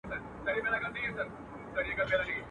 یاجوج ماجوج دي ښه په خبر یې.